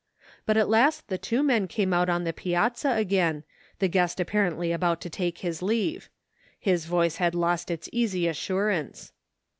But at last the two men came out on the piazza again, the guest apparently about to take his leave. His voice had lost its easy assurance.